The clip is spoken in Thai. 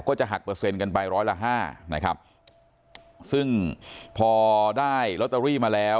จะหักเปอร์เซ็นต์กันไปร้อยละห้านะครับซึ่งพอได้ลอตเตอรี่มาแล้ว